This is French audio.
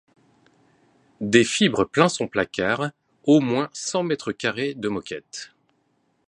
Des fibres plein son placard, au moins cent mètres carrés de moquette.